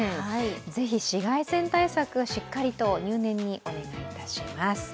是非、紫外線対策、しっかりと入念にお願いいたします。